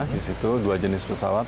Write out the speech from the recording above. di situ dua jenis pesawat